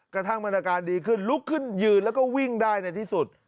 กระทั่งมันอาการดีขึ้นลุกขึ้นยืนแล้วก็วิ่งได้ในที่สุด